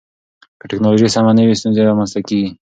که ټکنالوژي سمه نه وي، ستونزې رامنځته کېږي.